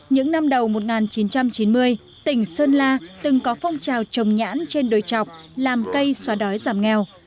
những năm đầu một nghìn chín trăm chín mươi tỉnh sơn la từng có phong trào trồng nhãn trên đồi trọc làm cây xóa đói giảm nghèo